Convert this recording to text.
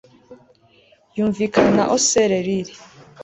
Yunvikana na Auser rill